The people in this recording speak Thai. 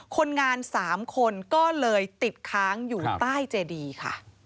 คนงาน๓คนก็เลยติดค้างอยู่ใต้เจดีค่ะ